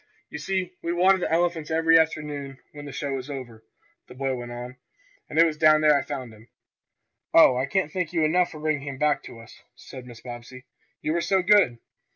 "You see, we water the elephants every afternoon when the show is over," the boy went on, "and it was down there I found him." "Oh, I can't thank you enough for bringing him back to us," said Mrs. Bobbsey. "You were so good!"